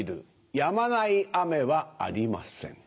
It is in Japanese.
やまない雨はありません。